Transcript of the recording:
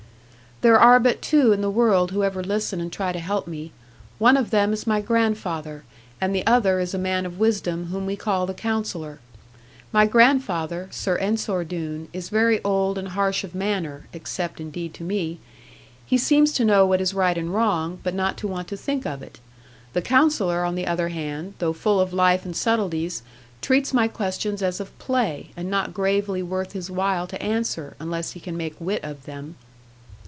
'There are but two in the world who ever listen and try to help me; one of them is my grandfather, and the other is a man of wisdom, whom we call the Counsellor. My grandfather, Sir Ensor Doone, is very old and harsh of manner (except indeed to me); he seems to know what is right and wrong, but not to want to think of it. The Counsellor, on the other hand, though full of life and subtleties, treats my questions as of play, and not gravely worth his while to answer, unless he can make wit of them.